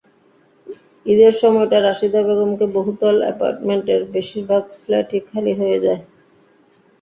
ঈদের সময়টা রাশিদা বেগমদের বহুতল অ্যাপার্টমেন্টের বেশির ভাগ ফ্ল্যাটই খালি হয়ে যায়।